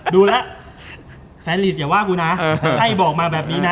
ดูแล้วแฟนลีสอย่าว่ากูนะให้บอกมาแบบนี้นะ